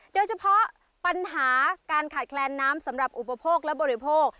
โดยเฉพาะปัญหาการขาดแคลนน้ำสำหรับอุปโภคและบริโภค